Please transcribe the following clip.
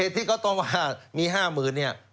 ที่เขาต้องว่ามีห้าหมื่นเนี่ย